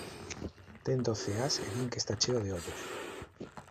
Ten doce ás e din que está cheo de ollos.